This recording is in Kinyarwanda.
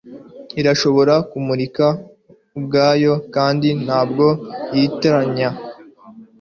Irashobora kumurika ubwayo kandi ntabwo yitiranya